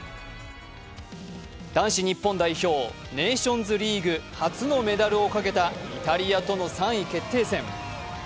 男子日本代表、ネーションズリーグ初のメダルをかけたイタリアとの３位決定戦。